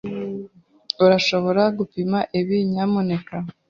Urashobora gupima ibi, nyamuneka?